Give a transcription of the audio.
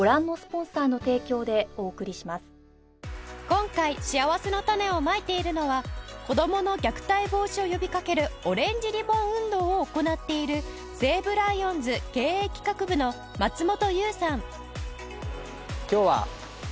今回しあわせのたねをまいているのは子どもの虐待防止を呼びかけるオレンジリボン運動を行っている西武ライオンズ経営企画部の松本有さん